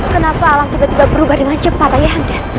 kenapa alam tiba tiba berubah dengan cepat kanda